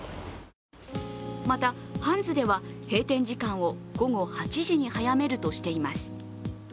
またハンズでは閉店時間を午後８時に早めるとしています。